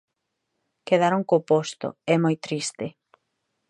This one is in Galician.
Quedaron co posto, é moi triste.